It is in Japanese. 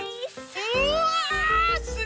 うわ！